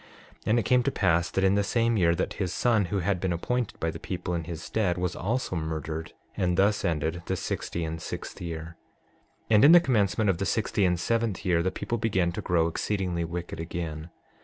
And it came to pass that in the same year, that his son, who had been appointed by the people in his stead, was also murdered. And thus ended the sixty and sixth year. 6:16 And in the commencement of the sixty and seventh year the people began to grow exceedingly wicked again.